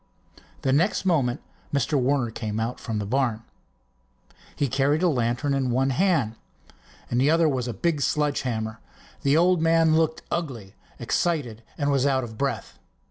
The next moment Mr. Warner came out from the barn. He carried a lantern in one hand. In the other was a big sledge hammer. The old man looked ugly, excited and was out of breath.